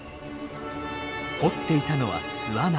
掘っていたのは巣穴。